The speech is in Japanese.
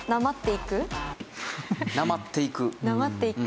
なまっていく？